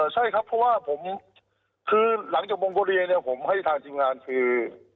ใช่ครับเพราะว่าผมคือหลังจากวงบุรีเนี่ยผมให้ทางทีมงานคือ